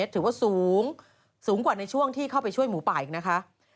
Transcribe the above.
ถือว่าสูงสูงกว่าในช่วงที่เข้าไปช่วยหมูป่าอีกนะคะ